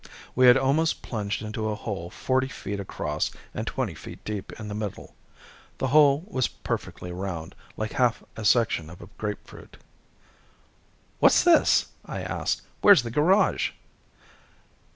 We had almost plunged into a hole forty feet across and twenty feet deep in the middle. The hole was perfectly round, like a half section of a grapefruit. "What's this?" I asked. "Where's the garage?"